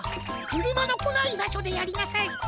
くるまのこないばしょでやりなさい。